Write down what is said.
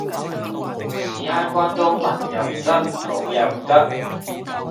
屎坑關刀文又唔得武又唔得